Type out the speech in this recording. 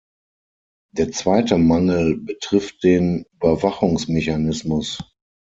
Der zweite Mangel betrifft den Überwachungsmechanismus.